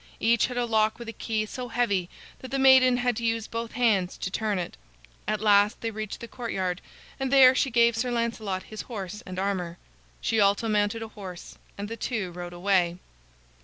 Each had a lock with a key so heavy that the maiden had to use both hands to turn it. At last they reached the courtyard, and there she gave Sir Lancelot his horse and armor. She also mounted a horse, and the two rode away.